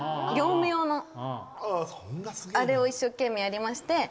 業務用のあれを一生懸命やりまして。